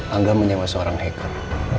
angga menyebabkan seorang hacker